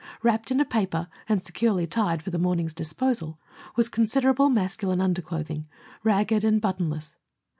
Wrapped in a paper and securely tied for the morning's disposal, was considerable masculine underclothing, ragged and buttonless.